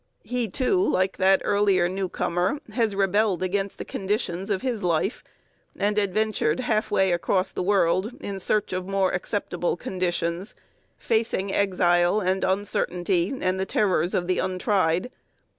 He, too, like that earlier newcomer, has rebelled against the conditions of his life, and adventured halfway across the world in search of more acceptable conditions, facing exile and uncertainty and the terrors of the untried.